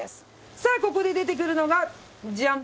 さあここで出てくるのがジャン！